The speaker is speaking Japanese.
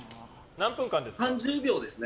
何分間ですか？